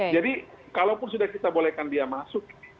jadi kalaupun sudah kita bolehkan dia masuk